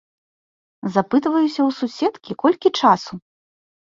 Запытваюся ў суседкі, колькі часу.